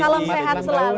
salam sehat selalu